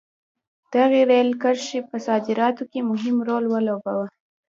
دغې رېل کرښې په صادراتو کې مهم رول ولوباوه.